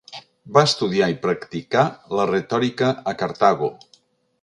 Va estudiar i practicar la retòrica a Cartago.